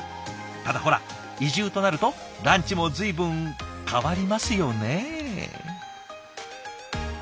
ただほら移住となるとランチも随分変わりますよね？